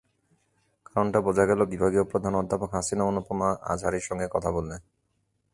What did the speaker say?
কারণটা বোঝা গেল বিভাগীয় প্রধান অধ্যাপক হাসিন অনুপমা আজহারীর সঙ্গে কথা বলে।